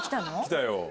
来たよ。